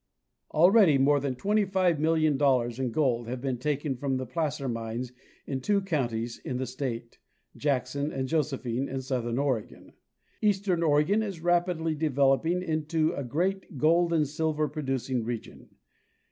_ Already more than $25,000,000 in gold have been taken from the placer mines in two counties in the state—Jackson and Josephine, in southern Oregon. Eastern Oregon is rapidly de veloping into a great gold and silver producing region.